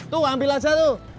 tuh ambil aja tuh